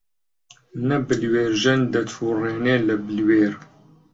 نە بلوێرژەن دەتووڕێنێ لە بلوێر